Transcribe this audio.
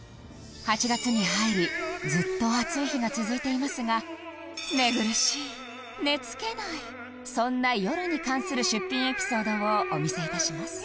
８月に入りずっと暑い日が続いていますが寝苦しい寝付けないそんな夜に関する出品エピソードをお見せ致します